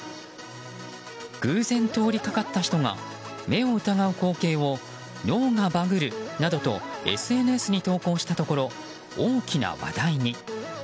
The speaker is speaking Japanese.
偶然通りがかった人が目を疑う光景を脳がバグるなどとＳＮＳに投稿したところ大きな話題に。